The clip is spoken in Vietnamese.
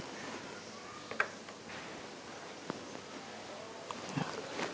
bác tông ạ